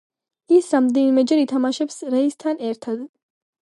ის რამდენიმეჯერ ითამაშებს რეისთან ერთად.